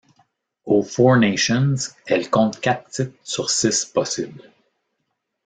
Aux Four Nations, elle compte quatre titres sur six possibles.